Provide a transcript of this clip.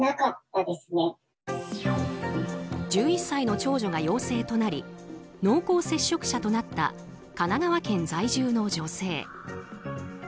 １１歳の長女が陽性となり濃厚接触者となった神奈川県在住の女性。